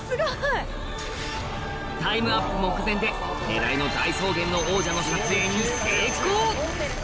タイムアップ目前で狙いの大草原の王者の撮影に成功！